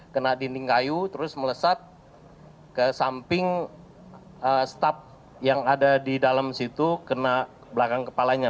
kena dinding kayu terus melesat ke samping staf yang ada di dalam situ kena belakang kepalanya